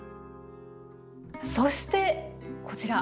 そしてこちら。